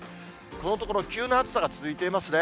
このところ、急な暑さが続いていますね。